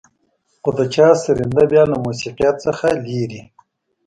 خو د چا سرېنده بيا له موسيقيت څخه لېرې.